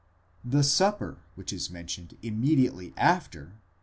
1); the supper, δεῖπνον, which is mentioned immediately after (v.